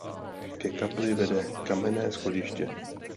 Ke kapli vede kamenné schodiště.